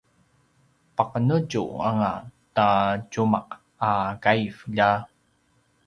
paqenetju anga ta tjumaq a kaiv lja!